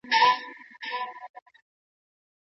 ړوند هلک له ډاره په اوږه باندي مڼه ساتلې ده.